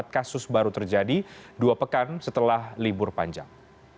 lima empat ratus empat puluh empat kasus baru terjadi dua pekan setelah libur panjang